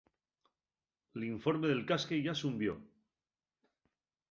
L'informe del casque yá s'unvió.